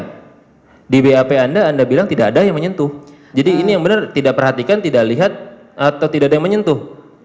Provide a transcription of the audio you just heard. karena di bap anda anda bilang tidak ada yang menyentuh jadi ini yang benar tidak perhatikan tidak lihat atau tidak ada yang menyentuh